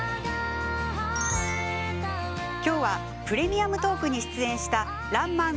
今日はプレミアムトークに出演した「らんまん」